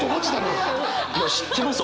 いや知ってます？